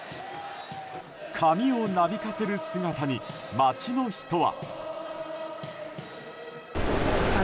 髪をなびかせる姿に街の人は。